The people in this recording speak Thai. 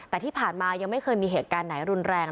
แต่ที่ผ่านมายังไม่เคยมีเหตุการณ์ไหนรุนแรง